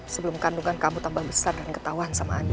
sebelum kandungan kamu tambah besar dan ketauhan sama andi